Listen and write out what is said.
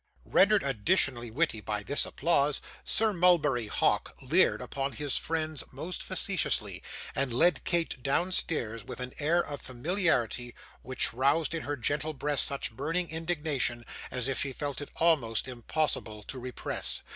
Rendered additionally witty by this applause, Sir Mulberry Hawk leered upon his friends most facetiously, and led Kate downstairs with an air of familiarity, which roused in her gentle breast such burning indignation, as she felt it almost impossible to repress.